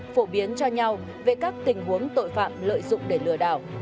phổ biến cho nhau về các tình huống tội phạm lợi dụng để lừa đảo